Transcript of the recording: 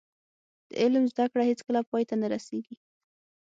د علم زده کړه هیڅکله پای ته نه رسیږي.